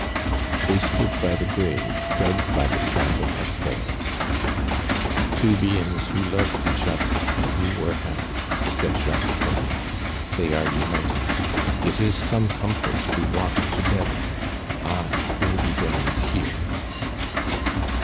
They stood by the grave dug by the side of Esther's. "Two beings who loved each other, and who were happy!" said Jacques Collin. "They are united. It is some comfort to rot together. I will be buried here."